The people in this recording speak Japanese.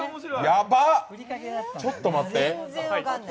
やば、ちょっと待って！